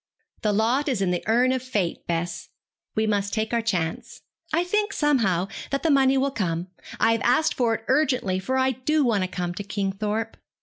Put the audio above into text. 'The lot is in the urn of fate, Bess, We must take our chance. I think, somehow, that the money will come. I have asked for it urgently, for I do want to come to Kingthorpe.'